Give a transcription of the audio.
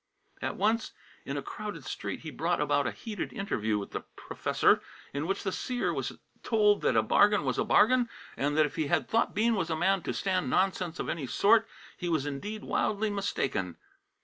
At once, in a crowded street, he brought about a heated interview with the professor, in which the seer was told that a bargain was a bargain, and that if he had thought Bean was a man to stand nonsense of any sort he was indeed wildly mistaken.